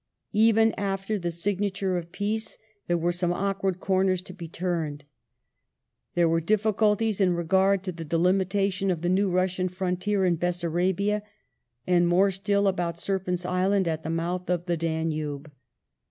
Even after the signature of ^fyQj.°jJ. peace there were some awkward corners to be turned. There were em Africa difficulties in regard to the delimitation of the new Russian Frontier in Bessarabia, and more still about Serpent's Island at the mouth of the Danube.